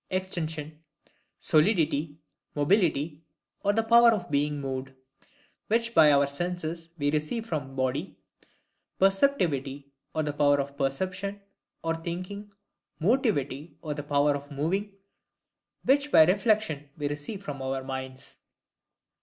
EXTENSION, SOLIDITY, MOBILITY, or the power of being moved; which by our senses we receive from body: PERCEPTIVITY, or the power of perception, or thinking; MOTIVITY, or the power of moving: which by reflection we receive from OUR MINDS.